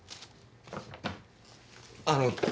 あの。